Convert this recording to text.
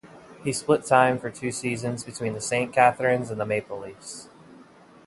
He split time for two seasons between Saint Catharines and the Maple Leafs.